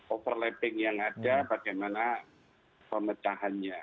overlapping yang ada bagaimana pemecahannya